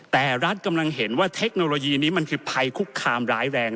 แต่รัฐกำลังเห็นว่าเทคโนโลยีนี้มันคือภัยคุกคามร้ายแรง